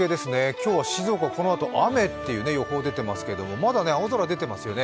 今日は静岡、このあと雨という予報出ていますけど、まだ青空出てますよね。